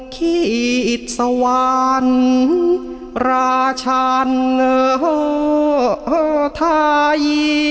ขิตสวรรค์ราชันทาย